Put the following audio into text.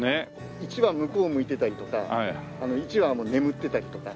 １羽向こう向いてたりとか１羽眠ってたりとか。